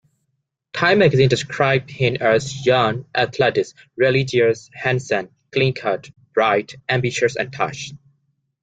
Time magazine described him as "young, athletic, religious, handsome, clean-cut, bright, ambitious, and tough.